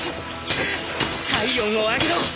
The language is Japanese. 体温を上げろ！